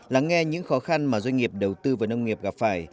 lắng nghe những khó khăn mà doanh nghiệp đầu tư vào nông nghiệp gặp phải